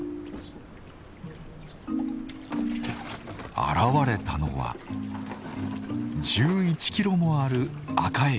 現れたのは１１キロもあるアカエイ。